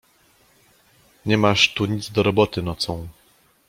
"Nie masz tu nic do roboty nocą."